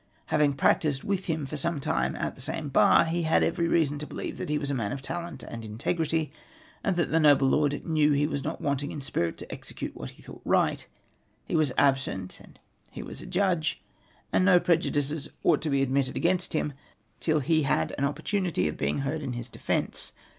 Having practised with him for some time at the same bar, he had every reason to believe that he was a man of talent and integrity, and the noble lord knew that he was not wanting in spirit to execute wliat he thought right. He was absent, and he was a Judge — and no prejudices ought to be admitted against him till he had an opportunity of being heard in his defence.